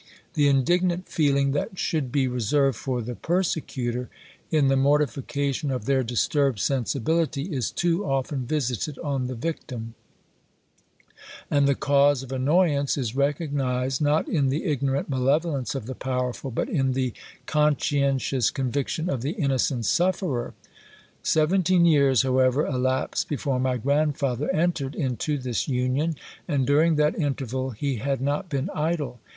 The indignant feeling that should be reserved for the persecutor, in the mortification of their disturbed sensibility, is too often visited on the victim; and the cause of annoyance is recognised not in the ignorant malevolence of the powerful, but in the conscientious conviction of the innocent sufferer. Seventeen years, however, elapsed before my grandfather entered into this union, and during that interval he had not been idle.